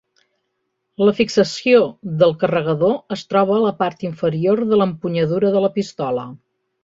La fixació del carregador es troba a la part inferior de l'empunyadura de la pistola.